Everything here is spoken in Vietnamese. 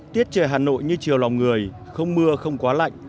tiết trời hà nội như chiều lòng người không mưa không quá lạnh